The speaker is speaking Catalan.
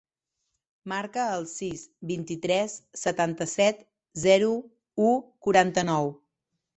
Marca el sis, vint-i-tres, setanta-set, zero, u, quaranta-nou.